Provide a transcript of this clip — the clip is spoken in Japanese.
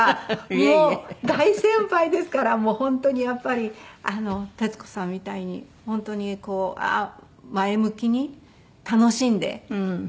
もう大先輩ですから本当にやっぱり徹子さんみたいに本当に前向きに楽しんで。